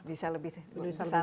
bisa lebih besar lagi